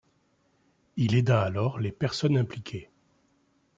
Il aida alors les personnes impliquées.